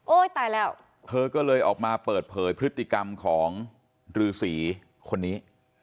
ตายแล้วเธอก็เลยออกมาเปิดเผยพฤติกรรมของฤษีคนนี้